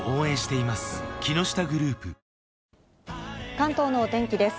関東のお天気です。